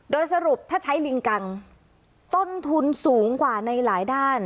โดยสรุปถ้าใช้ลิงกังต้นทุนสูงกว่าในหลายด้าน